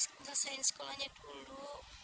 selesain sekolahnya dulu